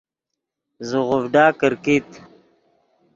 زیغوڤڈا کرکیت